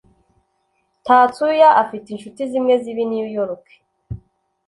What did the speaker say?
Tatsuya afite inshuti zimwe ziba i New York.